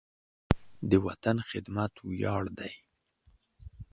د وطن خدمت ویاړ دی.